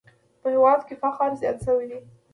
په هېواد کې فقر زیات شوی دی!